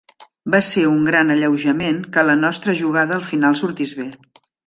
Va ser un gran alleujament que la nostra jugada al final sortís bé.